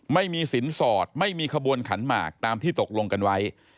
ไม่มีสินสอดไม่มีขบวนขันหมากตามที่ตกลงกันไว้